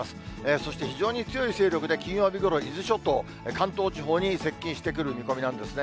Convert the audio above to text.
そして非常に強い勢力で、金曜日ごろ、伊豆諸島、関東地方に接近してくる見込みなんですね。